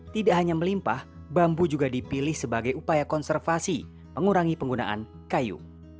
tidak hanya melimpah bambu juga dipilih sebagai upaya konservasi mengurangi penggunaan kayu